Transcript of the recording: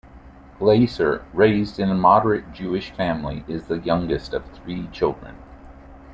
Glaser, raised in a moderate Jewish family, is the youngest of three children.